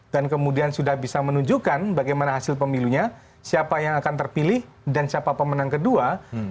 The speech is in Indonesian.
dan kemudian sudah bisa menunjukkan bagaimana hasil pemilunya siapa yang akan terpilih dan siapa pemenang kedua